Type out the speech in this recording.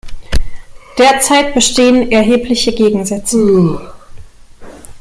Derzeit bestehen erhebliche Gegensätze.